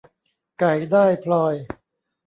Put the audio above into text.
ไก่ได้พลอย